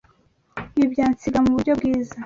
Ibi byansiga muburyo bwiza.